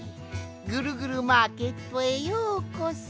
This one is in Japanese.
ぐるぐるマーケットへようこそ。